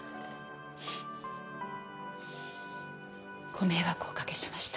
ご迷惑をおかけしました。